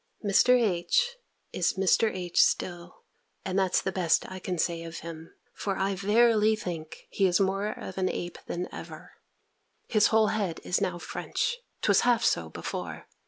Mr. H. is Mr. H. still; and that's the best I can say of him; for I verily think, he is more of an ape than ever. His whole head is now French. 'Twas half so before.